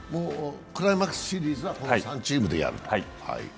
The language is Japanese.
クライマックスシリーズはこの３チームでやると。